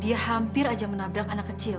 dia hampir aja menabrak anak kecil